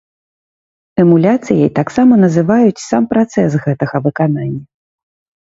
Эмуляцыяй таксама называюць сам працэс гэтага выканання.